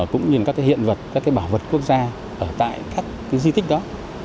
cũng như các hiện vật các bảo vật quốc gia ở tại các di tích đó